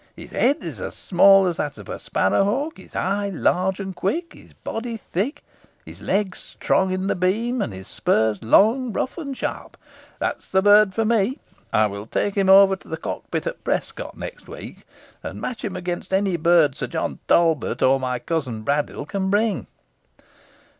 His head is as small as that of a sparrowhawk, his eye large and quick, his body thick, his leg strong in the beam, and his spurs long, rough, and sharp. That is the bird for me. I will take him over to the cockpit at Prescot next week, and match him against any bird Sir John Talbot, or my cousin Braddyll, can bring."